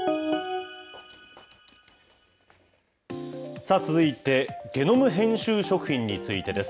さあ、続いてゲノム編集食品についてです。